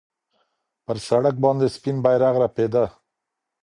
پر سړک باندې سپین بیرغ رپېده.